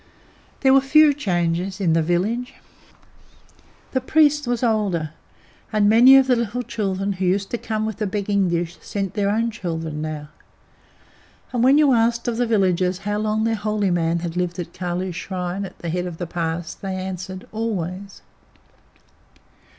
There were few changes in the village. The priest was older, and many of the little children who used to come with the begging dish sent their own children now; and when you asked of the villagers how long their holy man had lived in Kali's Shrine at the head of the pass, they answered, "Always."